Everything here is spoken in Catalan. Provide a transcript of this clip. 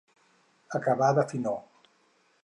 Acabar de finor.